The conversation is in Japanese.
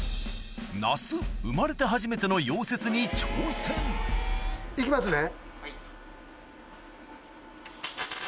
那須生まれて初めての溶接に挑戦いきますね。